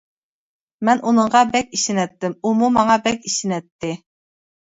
مەن ئۇنىڭغا بەك ئىشىنەتتىم، ئۇمۇ ماڭا بەك ئىشىنەتتى.